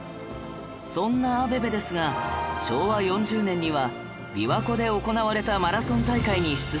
そんなアベベですが昭和４０年には琵琶湖で行われたマラソン大会に出場